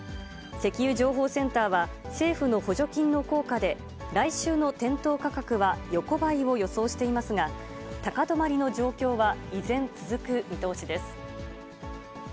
石油情報センターは、政府の補助金の効果で、来週の店頭価格は横ばいを予想していますが、高止まりの状況は依然続く見通しです。